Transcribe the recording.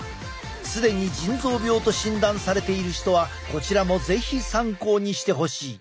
既に腎臓病と診断されている人はこちらも是非参考にしてほしい。